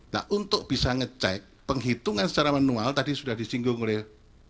nah untuk bisa ngecek penghitungan secara manual tadi sudah disinggung oleh